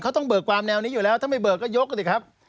เขาต้องเบิกความแนวนี้อยู่แล้วถ้าไม่เบิกก็ยกกันสิครับ